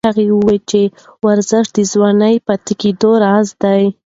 هغه وایي چې ورزش د ځوان پاتې کېدو راز دی.